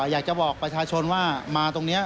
อยากจะบอกประชาชนว่ามาตรงนี้